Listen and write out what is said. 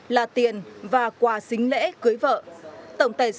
là tiền và quà xính lễ cưới vợ